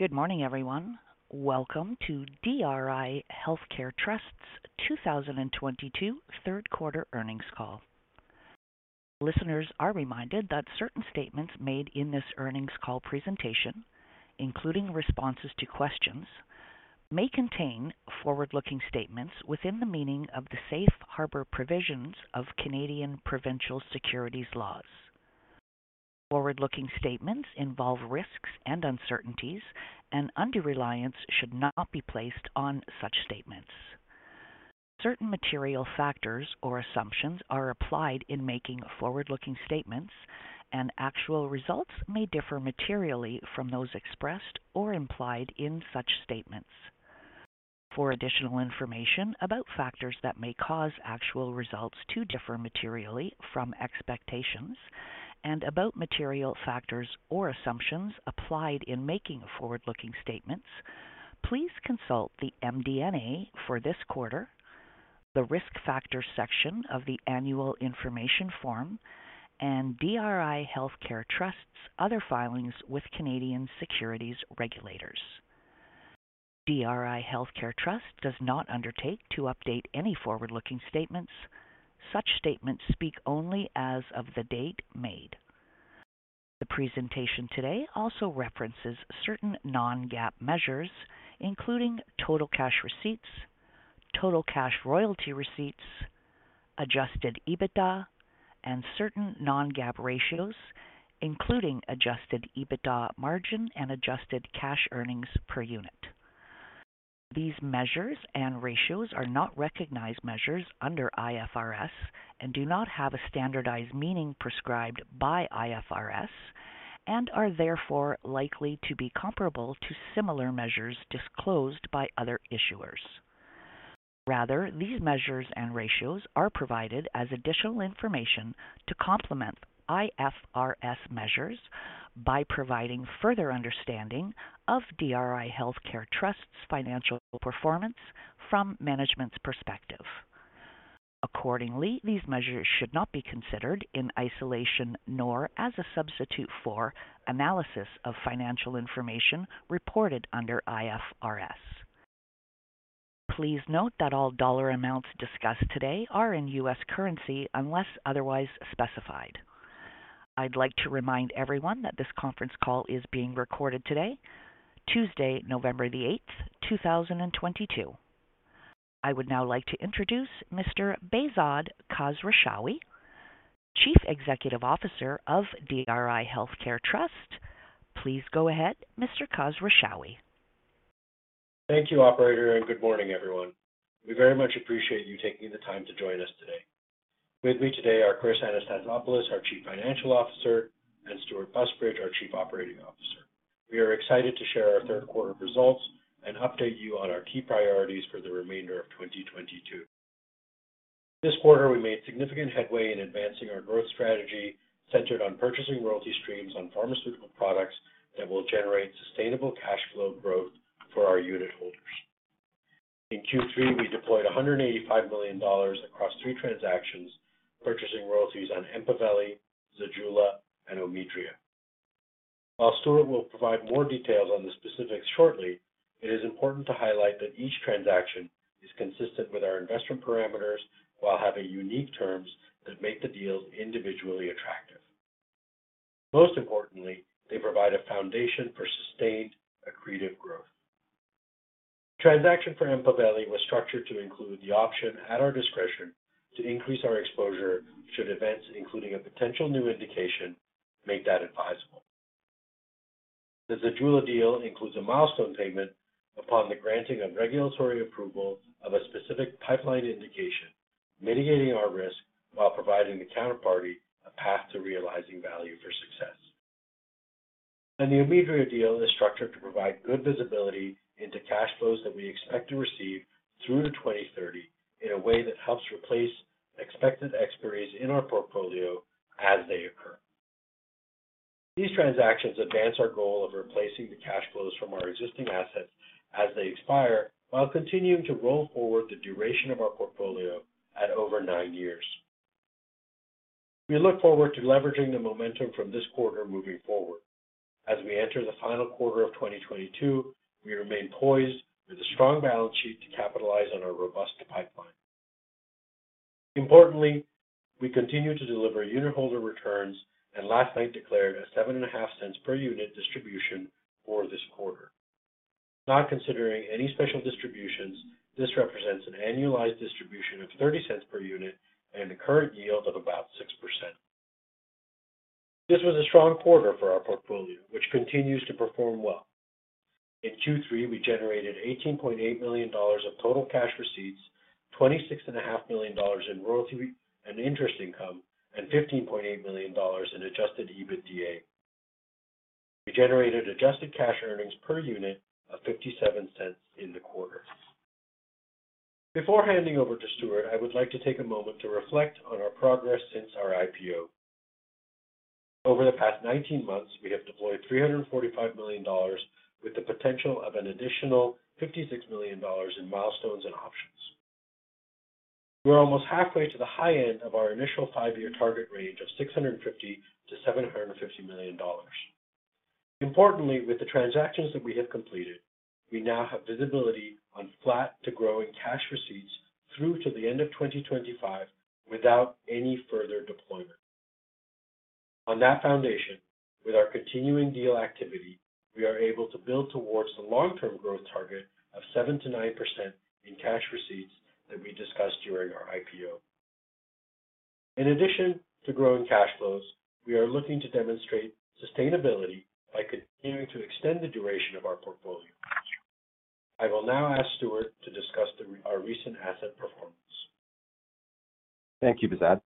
Good morning, everyone. Welcome to DRI Healthcare Trust's 2022 third quarter earnings call. Listeners are reminded that certain statements made in this earnings call presentation, including responses to questions, may contain forward-looking statements within the meaning of the safe harbor provisions of Canadian provincial securities laws. Forward-looking statements involve risks and uncertainties, and undue reliance should not be placed on such statements. Certain material factors or assumptions are applied in making forward-looking statements, and actual results may differ materially from those expressed or implied in such statements. For additional information about factors that may cause actual results to differ materially from expectations and about material factors or assumptions applied in making forward-looking statements, please consult the MD&A for this quarter, the Risk Factors section of the Annual Information Form, and DRI Healthcare Trust's other filings with Canadian securities regulators. DRI Healthcare Trust does not undertake to update any forward-looking statements. Such statements speak only as of the date made. The presentation today also references certain non-GAAP measures, including total cash receipts, total cash royalty receipts, adjusted EBITDA and certain non-GAAP ratios including adjusted EBITDA margin and adjusted cash earnings per unit. These measures and ratios are not recognized measures under IFRS and do not have a standardized meaning prescribed by IFRS and are therefore likely to be comparable to similar measures disclosed by other issuers. Rather, these measures and ratios are provided as additional information to complement IFRS measures by providing further understanding of DRI Healthcare Trust's financial performance from management's perspective. Accordingly, these measures should not be considered in isolation, nor as a substitute for analysis of financial information reported under IFRS. Please note that all dollar amounts discussed today are in US currency unless otherwise specified. I'd like to remind everyone that this conference call is being recorded today, Tuesday, November the eighth, two thousand and twenty-two. I would now like to introduce Mr. Behzad Khosrowshahi, Chief Executive Officer of DRI Healthcare Trust. Please go ahead, Mr. Khosrowshahi. Thank you, operator, and good morning, everyone. We very much appreciate you taking the time to join us today. With me today are Chris Anastasopoulos, our Chief Financial Officer, and Stewart Busbridge, our Chief Operating Officer. We are excited to share our third quarter results and update you on our key priorities for the remainder of 2022. This quarter, we made significant headway in advancing our growth strategy centered on purchasing royalty streams on pharmaceutical products that will generate sustainable cash flow growth for our unitholders. In Q3, we deployed $185 million across three transactions, purchasing royalties on EMPAVELI, Zejula, and Omidria. While Stewart will provide more details on the specifics shortly, it is important to highlight that each transaction is consistent with our investment parameters while having unique terms that make the deals individually attractive. Most importantly, they provide a foundation for sustained accretive growth. Transaction for EMPAVELI was structured to include the option at our discretion to increase our exposure should events, including a potential new indication, make that advisable. The Zejula deal includes a milestone payment upon the granting of regulatory approval of a specific pipeline indication, mitigating our risk while providing the counterparty a path to realizing value for success. The Omidria deal is structured to provide good visibility into cash flows that we expect to receive through to 2030 in a way that helps replace expected expiries in our portfolio as they occur. These transactions advance our goal of replacing the cash flows from our existing assets as they expire, while continuing to roll forward the duration of our portfolio at over nine years. We look forward to leveraging the momentum from this quarter moving forward. As we enter the final quarter of 2022, we remain poised with a strong balance sheet to capitalize on our robust pipeline. Importantly, we continue to deliver unitholder returns and last night declared a $0.075 per unit distribution for this quarter. Not considering any special distributions, this represents an annualized distribution of $0.30 per unit and a current yield of about 6%. This was a strong quarter for our portfolio, which continues to perform well. In Q3, we generated $18.8 million of total cash receipts, $26.5 million in royalty and interest income, and $15.8 million in adjusted EBITDA. We generated adjusted cash earnings per unit of $0.57 in the quarter. Before handing over to Stuart, I would like to take a moment to reflect on our progress since our IPO. Over the past 19 months, we have deployed $345 million with the potential of an additional $56 million in milestones and options. We're almost halfway to the high end of our initial 5-year target range of $650 million-$750 million. Importantly, with the transactions that we have completed, we now have visibility on flat to growing cash receipts through to the end of 2025 without any further deployment. On that foundation, with our continuing deal activity, we are able to build towards the long-term growth target of 7%-9% in cash receipts that we discussed during our IPO. In addition to growing cash flows, we are looking to demonstrate sustainability by continuing to extend the duration of our portfolio. I will now ask Stewart to discuss our recent asset performance. Thank you, Behzad.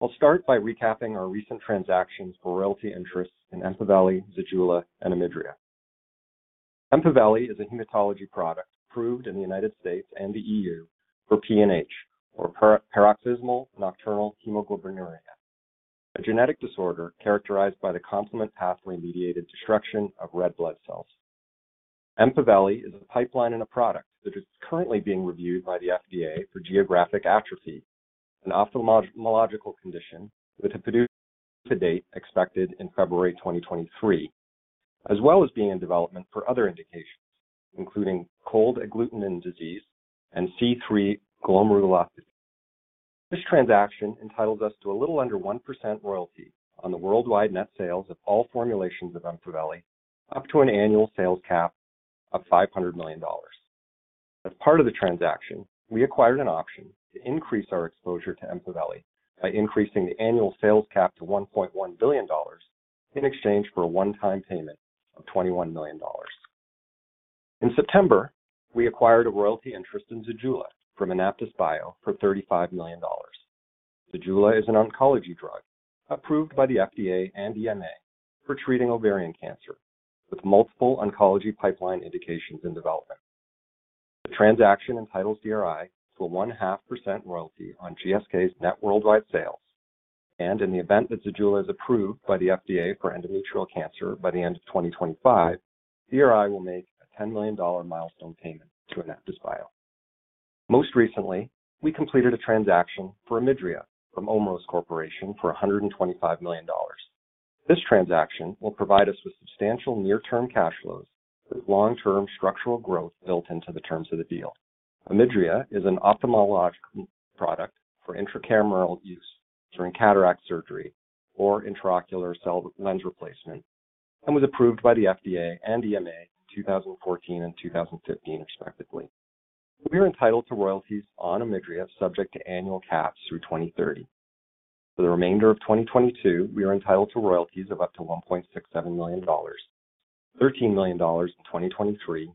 I'll start by recapping our recent transactions for royalty interests in EMPAVELI, Zejula, and Omidria. EMPAVELI is a hematology product approved in the United States and the EU for PNH, or paroxysmal nocturnal hemoglobinuria, a genetic disorder characterized by the complement pathway-mediated destruction of red blood cells. EMPAVELI is a pipeline and a product that is currently being reviewed by the FDA for geographic atrophy, an ophthalmological condition with a PDUFA date expected in February 2023, as well as being in development for other indications, including cold agglutinin disease and C3 glomerulonephritis. This transaction entitles us to a little under 1% royalty on the worldwide net sales of all formulations of EMPAVELI up to an annual sales cap of $500 million. As part of the transaction, we acquired an option to increase our exposure to EMPAVELI by increasing the annual sales cap to $1.1 billion in exchange for a one-time payment of $21 million. In September, we acquired a royalty interest in Zejula from AnaptysBio for $35 million. Zejula is an oncology drug approved by the FDA and EMA for treating ovarian cancer with multiple oncology pipeline indications in development. The transaction entitles DRI to a 0.5% royalty on GSK's net worldwide sales, and in the event that Zejula is approved by the FDA for endometrial cancer by the end of 2025, DRI will make a $10 million milestone payment to AnaptysBio. Most recently, we completed a transaction for Omidria from Omeros Corporation for $125 million. This transaction will provide us with substantial near-term cash flows with long-term structural growth built into the terms of the deal. Omidria is an ophthalmological product for intracameral use during cataract surgery or intraocular lens replacement and was approved by the FDA and EMA in 2014 and 2015 respectively. We are entitled to royalties on Omidria subject to annual caps through 2030. For the remainder of 2022, we are entitled to royalties of up to $1.67 million, $13 million in 2023,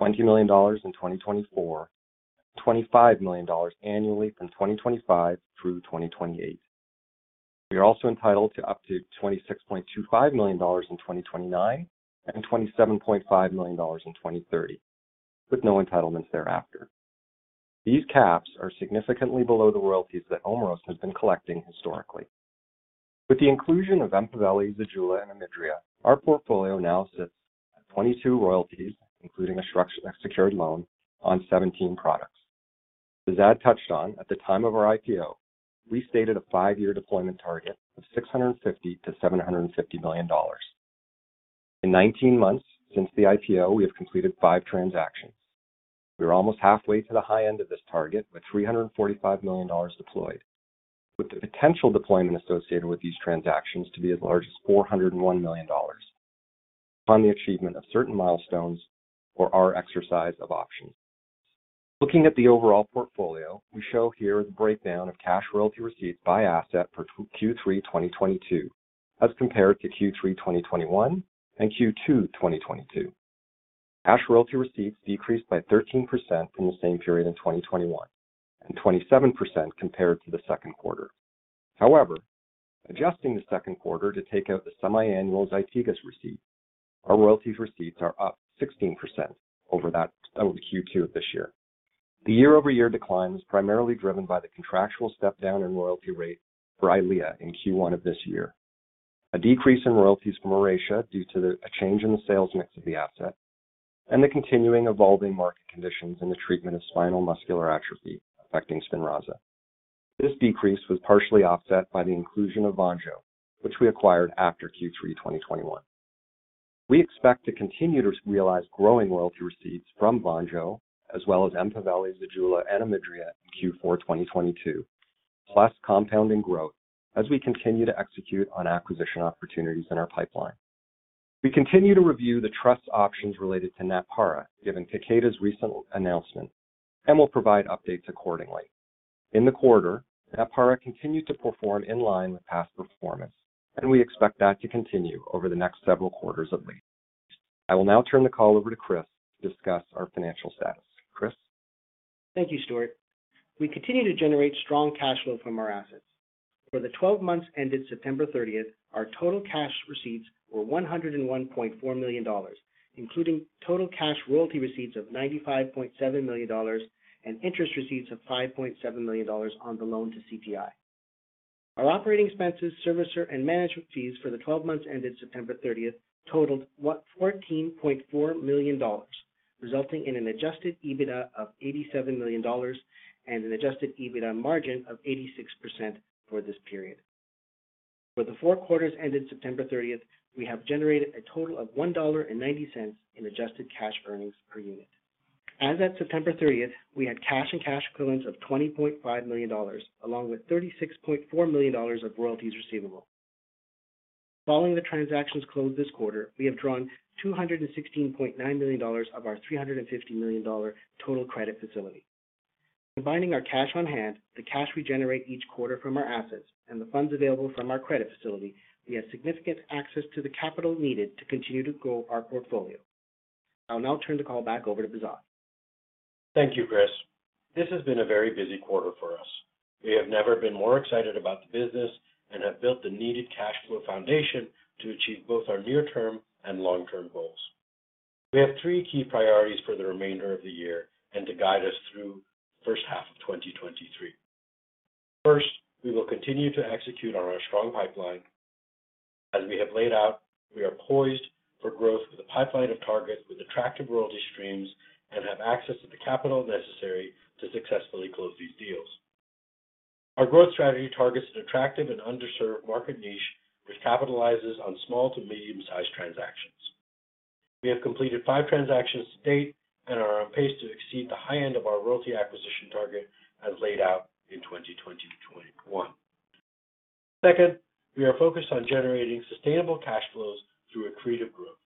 $20 million in 2024, and $25 million annually from 2025 through 2028. We are also entitled to up to $26.25 million in 2029 and $27.5 million in 2030, with no entitlements thereafter. These caps are significantly below the royalties that Omeros has been collecting historically. With the inclusion of EMPAVELI, Zejula, and Omidria, our portfolio now sits at 22 royalties, including a structured secured loan on 17 products. Behzad touched on at the time of our IPO, we stated a 5-year deployment target of $650 million-$750 million. In 19 months since the IPO, we have completed 5 transactions. We are almost halfway to the high end of this target with $345 million deployed, with the potential deployment associated with these transactions to be as large as $401 million upon the achievement of certain milestones or our exercise of options. Looking at the overall portfolio, we show here the breakdown of cash royalty receipts by asset for Q3 2022 as compared to Q3 2021 and Q2 2022. Cash royalty receipts decreased by 13% from the same period in 2021 and 27% compared to the second quarter. However, adjusting the second quarter to take out the semiannual ZYTIGA receipt, our royalties receipts are up 16% over Q2 of this year. The year-over-year decline was primarily driven by the contractual step down in royalty rate for EYLEA in Q1 of this year. A decrease in royalties from Auryxia due to a change in the sales mix of the asset and the continuing evolving market conditions in the treatment of spinal muscular atrophy affecting SPINRAZA. This decrease was partially offset by the inclusion of VONJO, which we acquired after Q3 2021. We expect to continue to realize growing royalty receipts from VONJO, as well as EMPAVELI, Zejula, and Omidria in Q4 2022, plus compounding growth as we continue to execute on acquisition opportunities in our pipeline. We continue to review the trust options related to Natpara, given Takeda's recent announcement, and will provide updates accordingly. In the quarter, Natpara continued to perform in line with past performance, and we expect that to continue over the next several quarters at least. I will now turn the call over to Chris to discuss our financial status. Chris? Thank you, Stewart. We continue to generate strong cash flow from our assets. For the twelve months ended September thirtieth, our total cash receipts were $101.4 million, including total cash royalty receipts of $95.7 million and interest receipts of $5.7 million on the loan to CTI. Our operating expenses, servicer and management fees for the 12 months ended September thirtieth totaled $14.4 million, resulting in an adjusted EBITDA of $87 million and an adjusted EBITDA margin of 86% for this period. For the 4 quarters ended September thirtieth, we have generated a total of $1.90 in adjusted cash earnings per unit. As at September thirtieth, we had cash and cash equivalents of $20.5 million, along with $36.4 million of royalties receivable. Following the transactions closed this quarter, we have drawn $216.9 million of our $350 million total credit facility. Combining our cash on hand, the cash we generate each quarter from our assets, and the funds available from our credit facility, we have significant access to the capital needed to continue to grow our portfolio. I'll now turn the call back over to Behzad Khosrowshahi. Thank you, Chris. This has been a very busy quarter for us. We have never been more excited about the business and have built the needed cash flow foundation to achieve both our near-term and long-term goals. We have 3 key priorities for the remainder of the year and to guide us through the first half of 2023. First, we will continue to execute on our strong pipeline. As we have laid out, we are poised for growth with a pipeline of targets with attractive royalty streams and have access to the capital necessary to successfully close these deals. Our growth strategy targets an attractive and underserved market niche which capitalizes on small to medium-sized transactions. We have completed 5 transactions to date and are on pace to exceed the high end of our royalty acquisition target as laid out in 2020 to 2021. Second, we are focused on generating sustainable cash flows through accretive growth.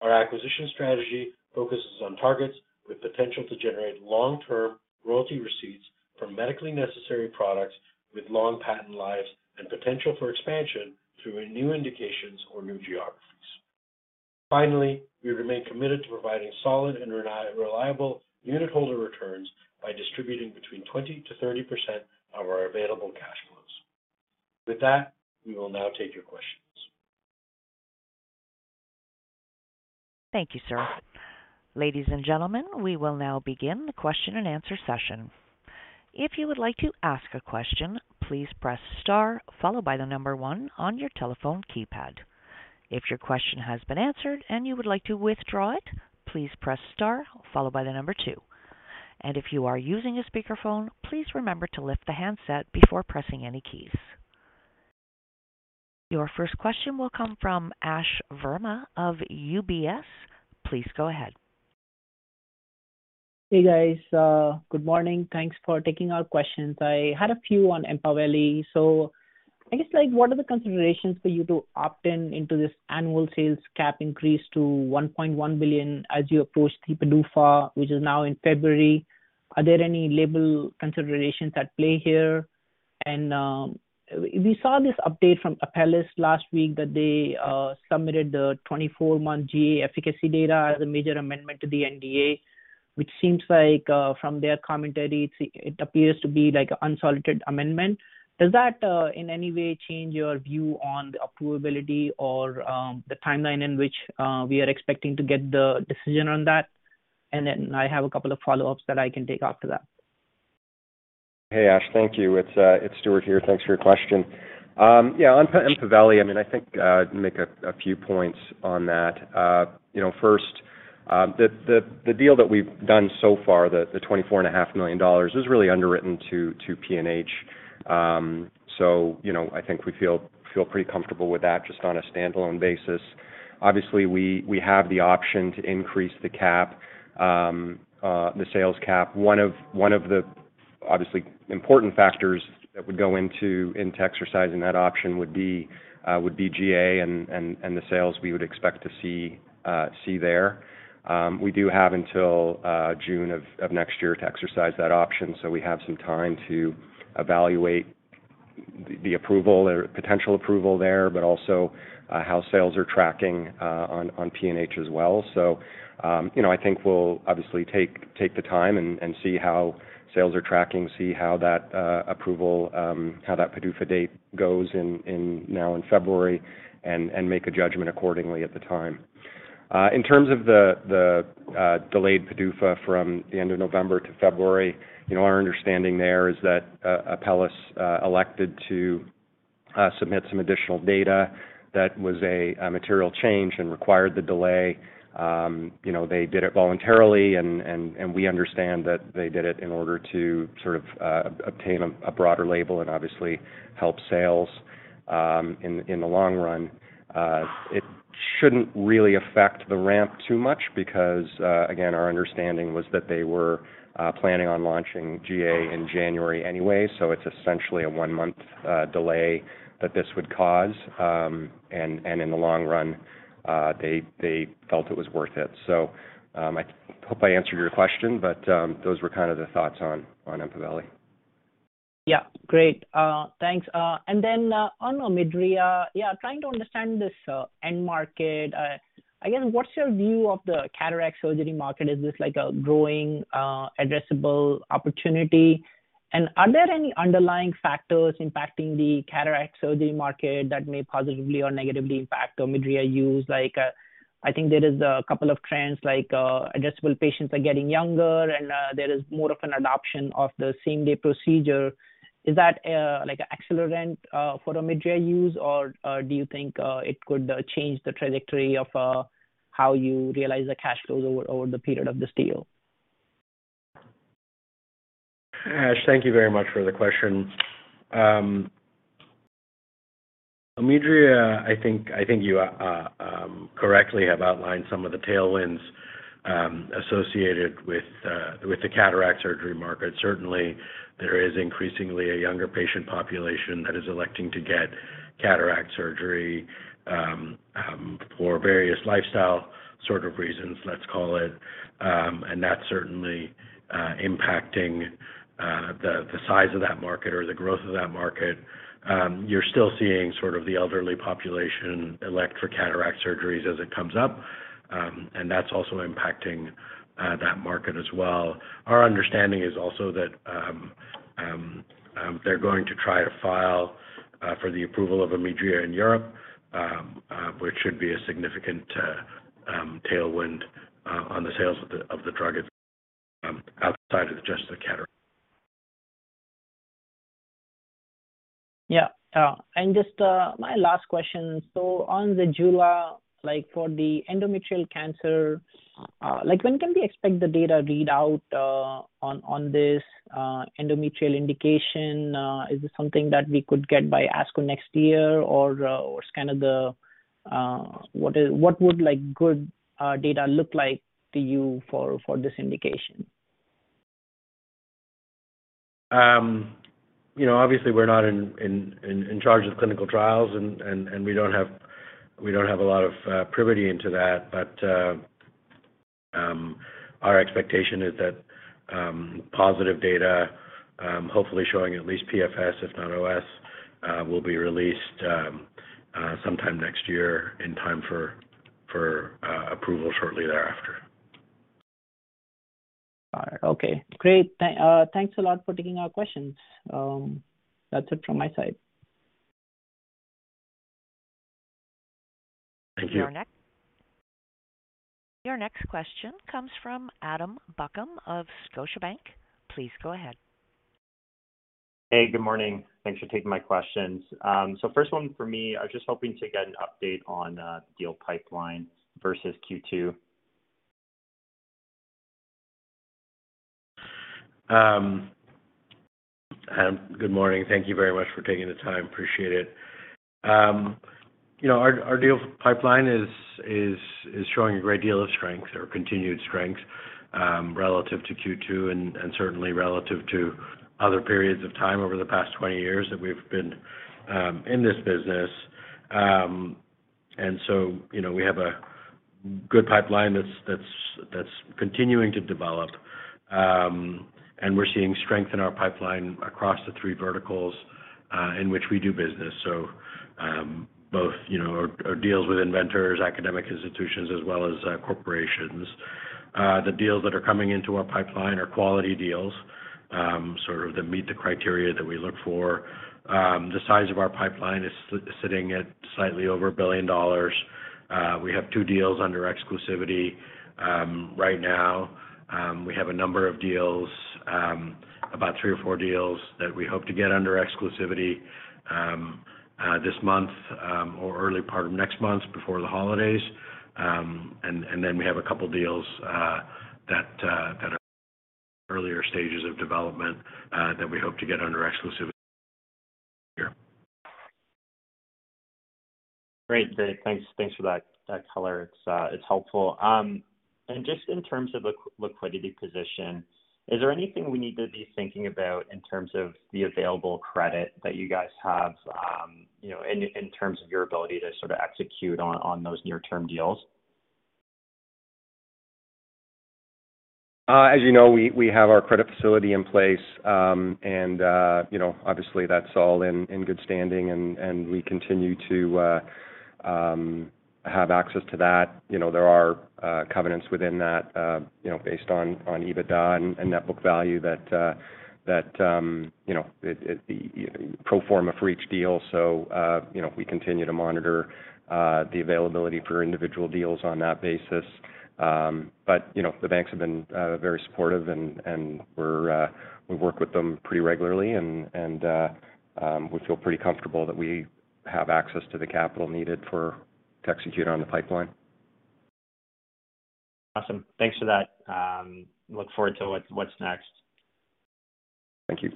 Our acquisition strategy focuses on targets with potential to generate long-term royalty receipts from medically necessary products with long patent lives and potential for expansion through new indications or new geographies. Finally, we remain committed to providing solid and reliable unitholder returns by distributing between 20%-30% of our available cash flows. With that, we will now take your questions. Thank you, sir. Ladies and gentlemen, we will now begin the question-and-answer session. If you would like to ask a question, please press star followed by the number one on your telephone keypad. If your question has been answered and you would like to withdraw it, please press star followed by the number two. If you are using a speakerphone, please remember to lift the handset before pressing any keys. Your first question will come from Ash Verma of UBS. Please go ahead. Hey, guys, good morning. Thanks for taking our questions. I had a few on EMPAVELI. I guess, like what are the considerations for you to opt in into this annual sales cap increase to $1.1 billion as you approach the PDUFA, which is now in February? Are there any label considerations at play here? We saw this update from Apellis last week that they submitted the 24-month GA efficacy data as a major amendment to the NDA, which seems like, from their commentary, it appears to be like unsolicited amendment. Does that in any way change your view on the approvability or the timeline in which we are expecting to get the decision on that? I have a couple of follow-ups that I can take after that. Hey, Ash. Thank you. It's Stewart here. Thanks for your question. Yeah, on EMPAVELI, I mean, I think make a few points on that. You know, first, the deal that we've done so far, the $24 and a half million is really underwritten to PNH. So, you know, I think we feel pretty comfortable with that just on a standalone basis. Obviously, we have the option to increase the cap, the sales cap. One of the obviously important factors that would go into exercising that option would be GA and the sales we would expect to see there. We do have until June of next year to exercise that option. We have some time to evaluate the approval or potential approval there, but also, how sales are tracking, on PNH as well. You know, I think we'll obviously take the time and see how sales are tracking, see how that approval, how that PDUFA date goes in now in February and make a judgment accordingly at the time. In terms of the delayed PDUFA from the end of November to February, you know, our understanding there is that Apellis elected to submit some additional data that was a material change and required the delay. You know, they did it voluntarily, and we understand that they did it in order to sort of obtain a broader label and obviously help sales, in the long run. It shouldn't really affect the ramp too much because, again, our understanding was that they were planning on launching GA in January anyway, so it's essentially a one-month delay that this would cause. And in the long run, they felt it was worth it. I hope I answered your question, but those were kind of the thoughts on EMPAVELI. Yeah. Great. Thanks. Then, on Omidria, yeah, trying to understand this end market. Again, what's your view of the cataract surgery market? Is this like a growing addressable opportunity? Are there any underlying factors impacting the cataract surgery market that may positively or negatively impact Omidria use? Like, I think there is a couple of trends, like, older patients are getting younger and there is more of an adoption of the same-day procedure. Is that like accelerant for Omidria use? Or do you think it could change the trajectory of how you realize the cash flows over the period of this deal? Ash, thank you very much for the question. Omidria, I think you correctly have outlined some of the tailwinds associated with the cataract surgery market. Certainly, there is increasingly a younger patient population that is electing to get cataract surgery for various lifestyle sort of reasons, let's call it. That's certainly impacting the size of that market or the growth of that market. You're still seeing sort of the elderly population elect for cataract surgeries as it comes up. That's also impacting that market as well. Our understanding is also that they're going to try to file for the approval of Omidria in Europe, which should be a significant tailwind on the sales of the drug outside of just the cataract. Yeah. Just my last question. On the Zejula, like, for the endometrial cancer, like, when can we expect the data readout on this endometrial indication? Is this something that we could get by ASCO next year? What would, like, good data look like to you for this indication? You know, obviously we're not in charge of clinical trials and we don't have a lot of privity into that. Our expectation is that positive data, hopefully showing at least PFS, if not OS, will be released sometime next year in time for approval shortly thereafter. All right. Okay. Great. Thanks a lot for taking our questions. That's it from my side. Thank you. Your next question comes from Adam Buckham of Scotiabank. Please go ahead. Hey, good morning. Thanks for taking my questions. First one for me, I was just hoping to get an update on deal pipeline versus Q2. Adam, good morning. Thank you very much for taking the time. Appreciate it. You know, our deal pipeline is showing a great deal of strength or continued strength, relative to Q2 and certainly relative to other periods of time over the past 20 years that we've been in this business. You know, we have a good pipeline that's continuing to develop. We're seeing strength in our pipeline across the three verticals in which we do business. Both, you know, our deals with inventors, academic institutions, as well as corporations. The deals that are coming into our pipeline are quality deals, sort of that meet the criteria that we look for. The size of our pipeline is sitting at slightly over $1 billion. We have two deals under exclusivity right now. We have a number of deals about three or four deals that we hope to get under exclusivity this month or early part of next month before the holidays. We have a couple deals that are earlier stages of development that we hope to get under exclusivity here. Great. Thanks for that color. It's helpful. Just in terms of liquidity position, is there anything we need to be thinking about in terms of the available credit that you guys have, you know, in terms of your ability to sort of execute on those near-term deals? As you know, we have our credit facility in place. You know, obviously that's all in good standing and we continue to have access to that. You know, there are covenants within that, you know, based on EBITDA and net book value that pro forma for each deal. You know, we continue to monitor the availability for individual deals on that basis. You know, the banks have been very supportive and we work with them pretty regularly and we feel pretty comfortable that we have access to the capital needed to execute on the pipeline. Awesome. Thanks for that. Look forward to what's next. Thank you.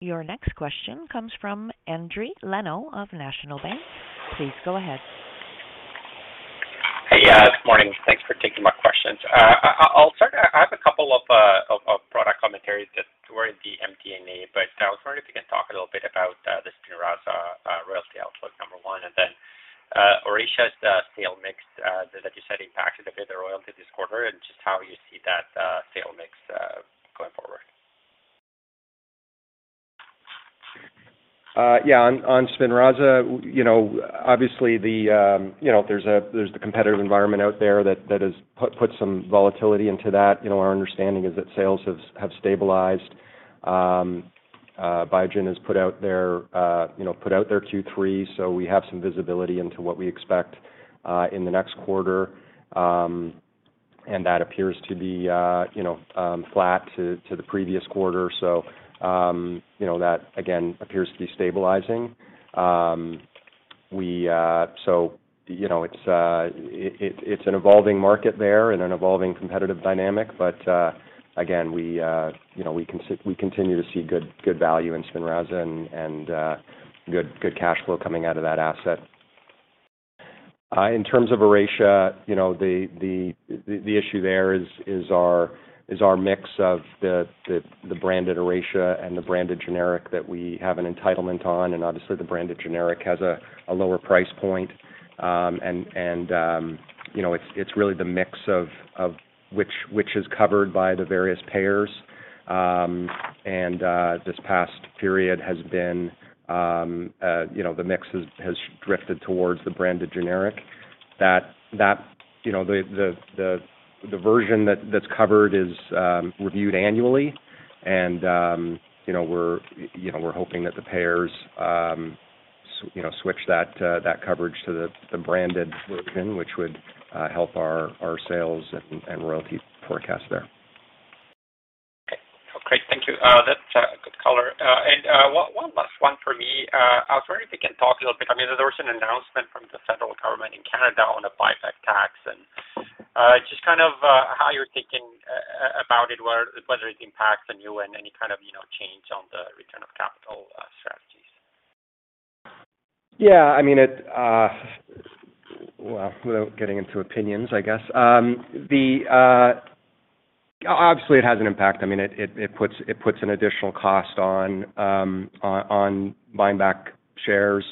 Your next question comes from Endri Leno of National Bank. Please go ahead. Hey. Yeah, good morning. Thanks for taking my questions. I'll start. I have a couple of product commentaries that were in the MD&A, but I was wondering if you can talk a little bit about the SPINRAZA royalty outlook, number one, and then Auryxia's sales mix that you said impacted the royalty a bit this quarter and just how you see that sales mix going forward. Yeah, on SPINRAZA, you know, obviously there's the competitive environment out there that has put some volatility into that. You know, our understanding is that sales have stabilized. Biogen has put out their Q3, so we have some visibility into what we expect in the next quarter. That appears to be, you know, flat to the previous quarter. You know, that again appears to be stabilizing. You know, it's an evolving market there and an evolving competitive dynamic. But again, you know, we continue to see good value in SPINRAZA and good cash flow coming out of that asset. In terms of Oracea, you know, the issue there is our mix of the branded Oracea and the branded generic that we have an entitlement on. Obviously the branded generic has a lower price point. You know, it's really the mix of which is covered by the various payers. This past period has been, you know, the mix has drifted towards the branded generic. That, you know, the version that's covered is reviewed annually. You know, we're hoping that the payers you know switch that coverage to the branded version, which would help our sales and royalty forecast there. Okay. Great. Thank you. That's good color. One last one for me. I was wondering if you can talk a little bit. I mean, there was an announcement from the federal government in Canada on the buyback tax and just kind of how you're thinking about it, whether it impacts on you and any kind of, you know, change on the return of capital strategies. Yeah, I mean. Well, without getting into opinions, I guess. Obviously it has an impact. I mean, it puts an additional cost on buying back shares.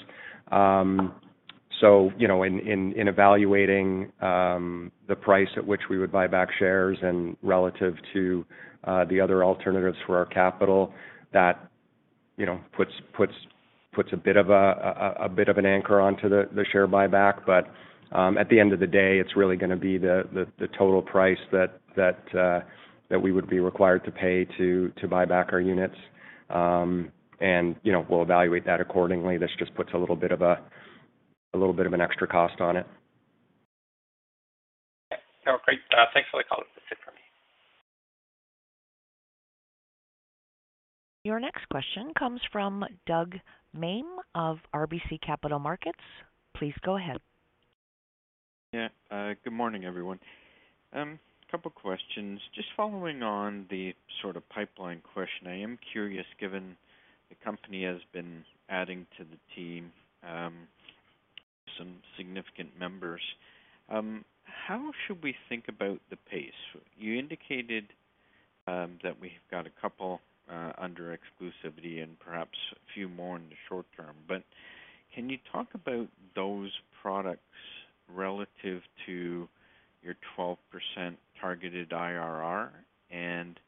So, you know, in evaluating the price at which we would buy back shares and relative to the other alternatives for our capital, that, you know, puts a bit of an anchor onto the share buyback. At the end of the day, it's really gonna be the total price that we would be required to pay to buy back our units. You know, we'll evaluate that accordingly. This just puts a little bit of an extra cost on it. Okay. No, great. Thanks for the call. That's it for me. Your next question comes from Doug Miehm of RBC Capital Markets. Please go ahead. Yeah. Good morning, everyone. A couple questions. Just following on the sort of pipeline question, I am curious, given the company has been adding to the team, some significant members, how should we think about the pace? You indicated, that we've got a couple, under exclusivity and perhaps a few more in the short term, but can you talk about those products relative to your 12% targeted IRR and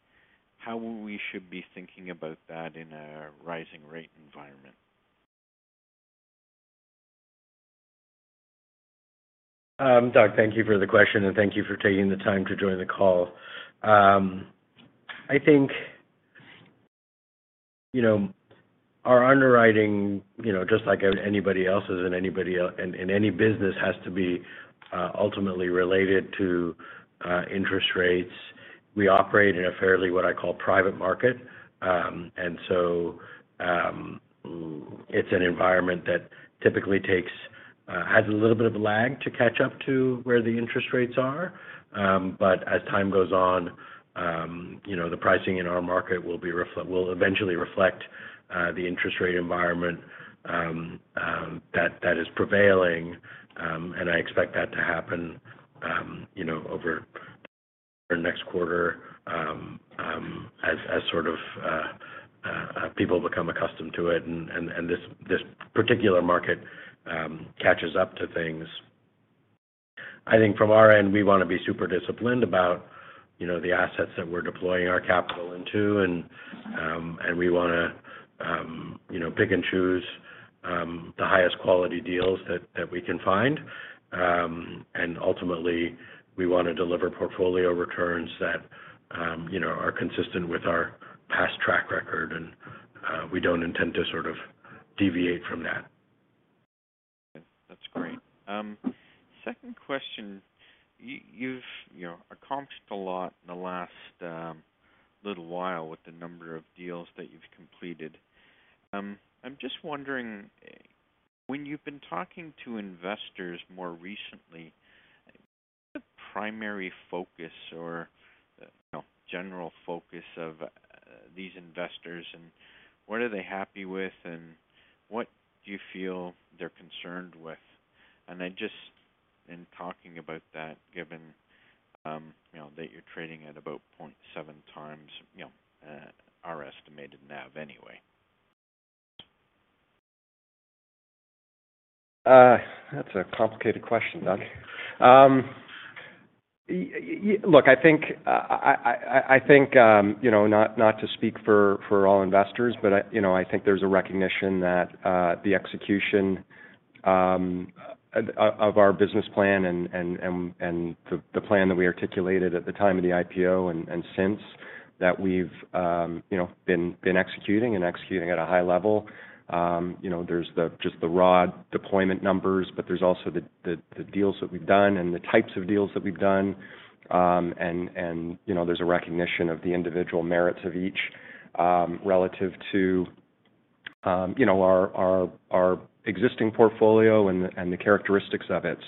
how we should be thinking about that in a rising rate environment? Doug, thank you for the question, and thank you for taking the time to join the call. I think, you know, our underwriting, you know, just like anybody else's in any business, has to be ultimately related to interest rates. We operate in a fairly what I call private market. It's an environment that typically has a little bit of lag to catch up to where the interest rates are. But as time goes on, you know, the pricing in our market will eventually reflect the interest rate environment that is prevailing. I expect that to happen, you know, over the next quarter, as sort of people become accustomed to it and this particular market catches up to things. I think from our end, we wanna be super disciplined about, you know, the assets that we're deploying our capital into and we wanna, you know, pick and choose the highest quality deals that we can find. Ultimately, we wanna deliver portfolio returns that, you know, are consistent with our past track record, and we don't intend to sort of deviate from that. Okay. That's great. Second question. You've, you know, accomplished a lot in the last little while with the number of deals that you've completed. I'm just wondering, when you've been talking to investors more recently, the primary focus or, you know, general focus of these investors and what are they happy with and what do you feel they're concerned with? Just in talking about that, given, you know, that you're trading at about 0.7 times, you know, our estimated NAV anyway. That's a complicated question, Doug. Look, I think you know, not to speak for all investors, but you know, I think there's a recognition that the execution of our business plan and the plan that we articulated at the time of the IPO and since that we've you know, been executing at a high level. You know, there's just the raw deployment numbers, but there's also the deals that we've done and the types of deals that we've done. You know, there's a recognition of the individual merits of each relative to you know, our existing portfolio and the characteristics of it.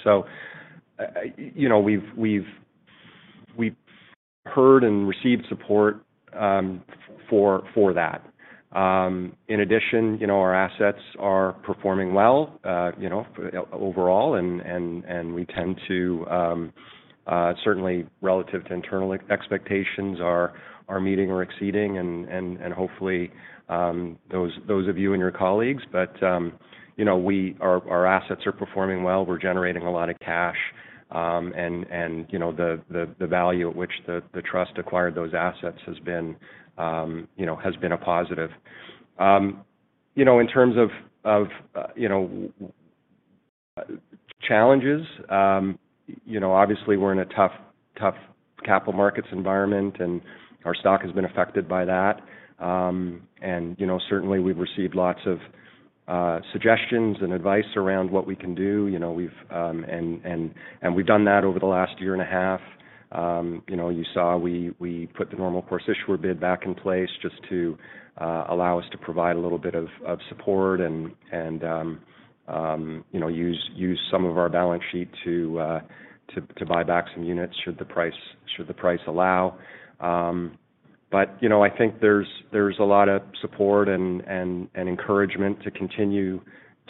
You know, we've heard and received support for that. In addition, you know, our assets are performing well, you know, overall, and we tend to certainly relative to internal expectations are meeting or exceeding and hopefully those of you and your colleagues. You know, our assets are performing well. We're generating a lot of cash, and you know, the value at which the trust acquired those assets has been a positive. You know, in terms of challenges, you know, obviously we're in a tough capital markets environment, and our stock has been affected by that. You know, certainly we've received lots of suggestions and advice around what we can do. You know, we've done that over the last year and a half. You know, you saw we put the normal course issuer bid back in place just to allow us to provide a little bit of support and, you know, use some of our balance sheet to buy back some units should the price allow. You know, I think there's a lot of support and encouragement to continue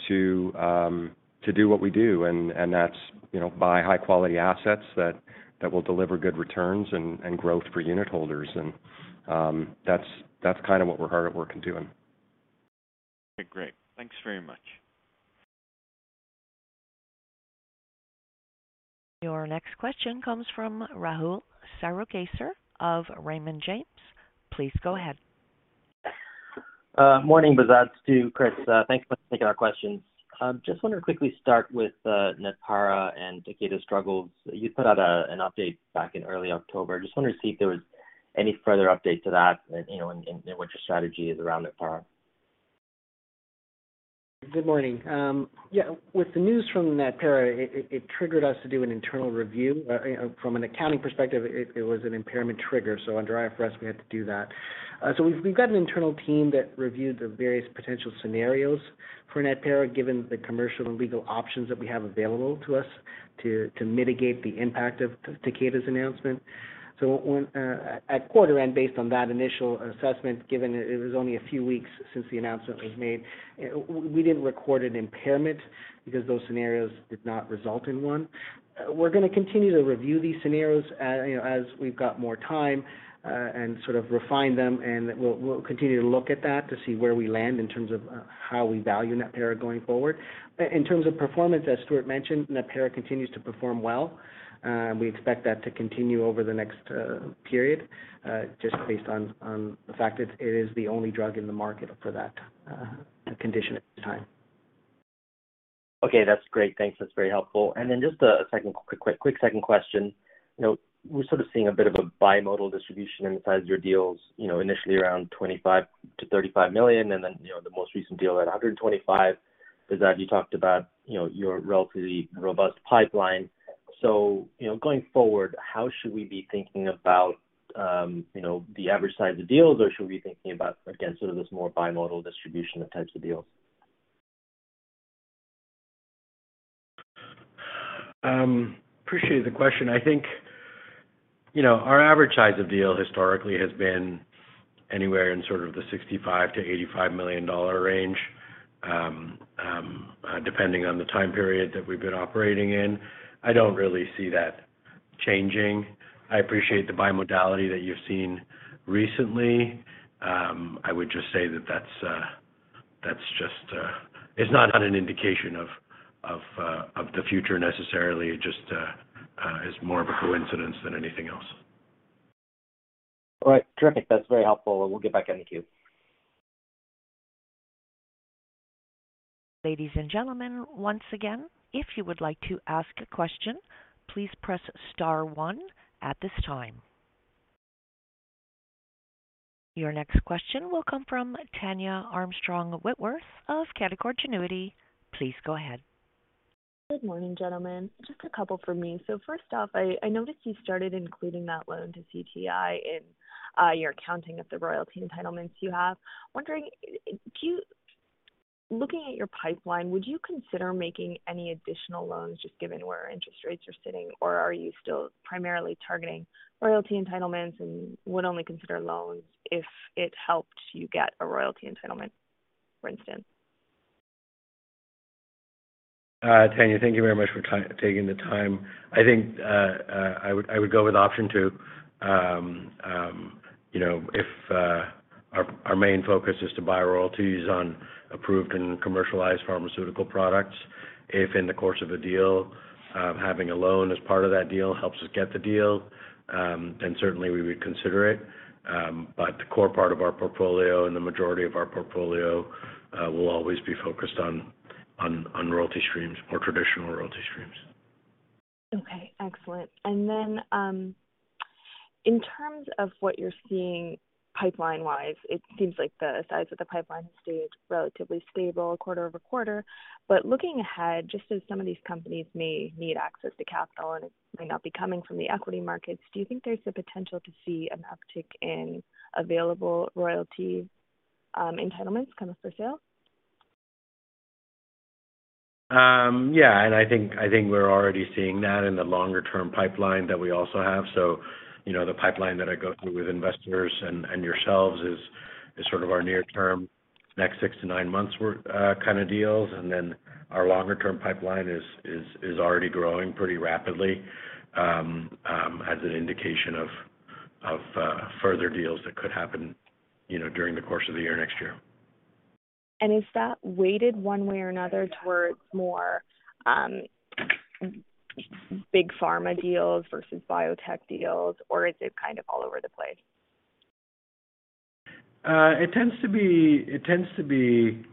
to do what we do. That's, you know, buy high-quality assets that will deliver good returns and growth for unitholders. That's kind of what we're hard at work in doing. Okay, great. Thanks very much. Your next question comes from Rahul Sarugaser of Raymond James. Please go ahead. Morning, Behzad. To Chris, thanks for taking our questions. Just want to quickly start with Natpara and Takeda's struggles. You put out an update back in early October. Just wanted to see if there was any further update to that and you know what your strategy is around Natpara. Good morning. With the news from Natpara, it triggered us to do an internal review. You know, from an accounting perspective, it was an impairment trigger. Under IFRS, we had to do that. We've got an internal team that reviewed the various potential scenarios for Natpara, given the commercial and legal options that we have available to us to mitigate the impact of Takeda's announcement. At quarter end, based on that initial assessment, given it was only a few weeks since the announcement was made, we didn't record an impairment because those scenarios did not result in one. We're gonna continue to review these scenarios, you know, as we've got more time, and sort of refine them, and we'll continue to look at that to see where we land in terms of how we value Natpara going forward. In terms of performance, as Stuart mentioned, Natpara continues to perform well. We expect that to continue over the next period, just based on the fact that it is the only drug in the market for that condition at the time. Okay, that's great. Thanks. That's very helpful. Just a second, quick second question. You know, we're sort of seeing a bit of a bimodal distribution in the size of your deals, you know, initially around $25 million-$35 million, and then, you know, the most recent deal at $125 million that you talked about, you know, your relatively robust pipeline. You know, going forward, how should we be thinking about, you know, the average size of deals? Or should we be thinking about, again, sort of this more bimodal distribution of types of deals? Appreciate the question. I think, you know, our average size of deal historically has been anywhere in sort of the $65-$85 million range, depending on the time period that we've been operating in. I don't really see that changing. I appreciate the bimodality that you've seen recently. I would just say that that's just is not an indication of the future necessarily. It just is more of a coincidence than anything else. All right. Terrific. That's very helpful. We'll get back in the queue. Ladies and gentlemen, once again, if you would like to ask a question, please press star one at this time. Your next question will come from Tania Armstrong-Whitworth of Canaccord Genuity. Please go ahead. Good morning, gentlemen. Just a couple from me. First off, I noticed you started including that loan to CTI in your accounting of the royalty entitlements you have. Wondering, looking at your pipeline, would you consider making any additional loans just given where interest rates are sitting? Or are you still primarily targeting royalty entitlements and would only consider loans if it helped you get a royalty entitlement, for instance? Tania, thank you very much for taking the time. I think I would go with option two. You know, if our main focus is to buy royalties on approved and commercialized pharmaceutical products. If in the course of a deal, having a loan as part of that deal helps us get the deal, then certainly we would consider it. The core part of our portfolio and the majority of our portfolio will always be focused on royalty streams, more traditional royalty streams. Okay, excellent. In terms of what you're seeing pipeline-wise, it seems like the size of the pipeline stayed relatively stable quarter over quarter. Looking ahead, just as some of these companies may need access to capital and it may not be coming from the equity markets, do you think there's the potential to see an uptick in available royalty entitlements come up for sale? I think we're already seeing that in the longer-term pipeline that we also have. You know, the pipeline that I go through with investors and yourselves is sort of our near term, next six to nine months kind of deals. Our longer term pipeline is already growing pretty rapidly, as an indication of further deals that could happen, you know, during the course of the year next year. Is that weighted one way or another towards more big pharma deals versus biotech deals, or is it kind of all over the place? It tends to be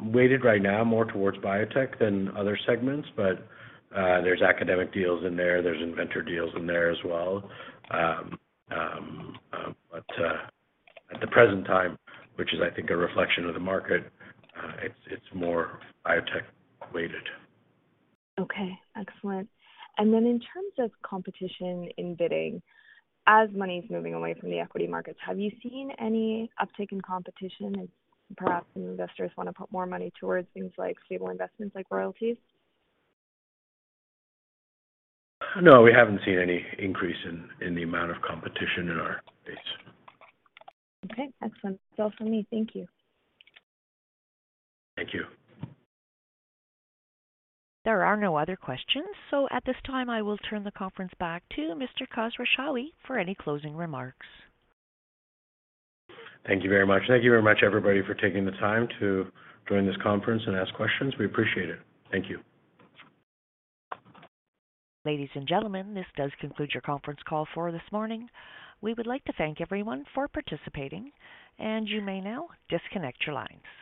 weighted right now more towards biotech than other segments, but there's academic deals in there's inventor deals in there as well. At the present time, which is I think a reflection of the market, it's more biotech weighted. Okay, excellent. In terms of competition in bidding, as money's moving away from the equity markets, have you seen any uptick in competition as perhaps some investors want to put more money towards things like stable investments like royalties? No, we haven't seen any increase in the amount of competition in our space. Okay, excellent. That's all for me. Thank you. Thank you. There are no other questions. At this time, I will turn the conference back to Mr. Behzad Khosrowshahi for any closing remarks. Thank you very much. Thank you very much, everybody, for taking the time to join this conference and ask questions. We appreciate it. Thank you. Ladies and gentlemen, this does conclude your conference call for this morning. We would like to thank everyone for participating, and you may now disconnect your lines.